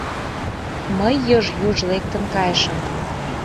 Мый йыж-юж лектын кайышым.